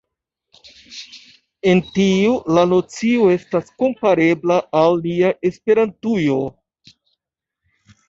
En tio la nocio estas komparebla al nia Esperantujo.